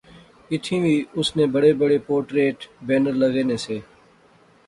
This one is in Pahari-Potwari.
ایتھیں وی اس نے بڑے بڑے پورٹریٹ بینر لغے نے سے